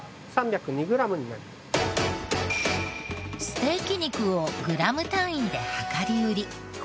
ステーキ肉をグラム単位で量り売り。